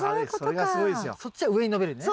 そっちは上に伸びるんだね。